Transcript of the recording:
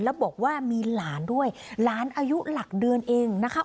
แล้วบอกว่ามีหลานด้วยหลานอายุหลักเดือนเองนะคะ